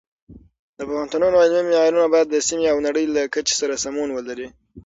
د پوهنتونونو علمي معیارونه باید د سیمې او نړۍ له کچې سره سمون ولري.